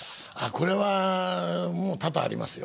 これはもう多々ありますよ。